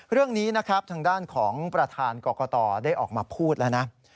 เรื่องนี้นะครับทางด้านของประธานกรกตได้ออกมาพูดแล้วนะ